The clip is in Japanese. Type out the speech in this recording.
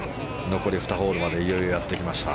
残り２ホールまでいよいよ、やってきました。